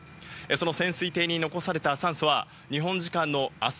その潜水艇に残された酸素は日本時間の明日